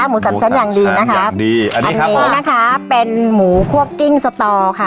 หมูสาบชั้นอย่างดีนะคะอย่างดีอันนี้ครับอ๋ออันนี้นะคะเป็นหมูคั่วกิ้งสตอร์ค่ะ